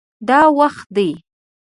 دا وخت دی